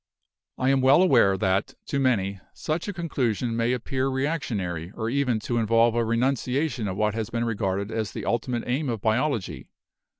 "I am well aware that to many such a conclusion may appear reactionary or even to involve a renunciation of what has been regarded as the ultimate aim of biology.